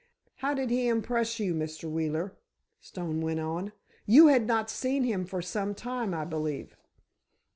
"How did he impress you, Mr. Wheeler?" Stone went on. "You had not seen him for some time, I believe."